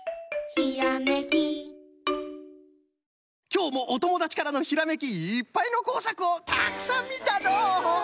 きょうもおともだちからのひらめきいっぱいのこうさくをたくさんみたのう！